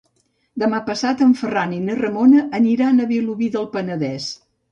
Demà passat en Ferran i na Ramona aniran a Vilobí del Penedès.